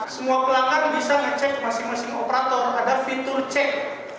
semua pelanggan bisa ngecek masing masing operator ada fitur cek